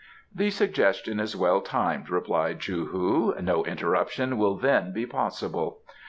"The suggestion is well timed," replied Chou hu. "No interruption will then be possible."